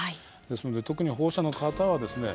ですので特に保護者の方はですね